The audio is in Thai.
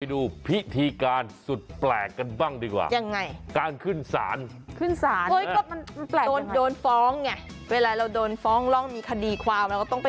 ดูพิธีการสุดแปลกกันบ้างดีกว่า